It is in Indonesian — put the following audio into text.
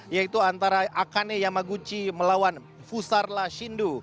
yaitu antara akane yamaguchi melawan fusarla shindu